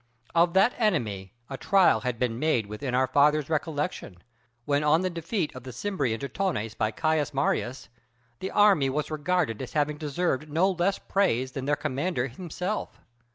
Of that enemy a trial had been made within our fathers' recollection, when on the defeat of the Cimbri and Teutones by Caius Marius, the army was regarded as having deserved no less praise than their commander himself.